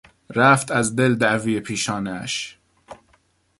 رفت از دل دعوی پیشانهاش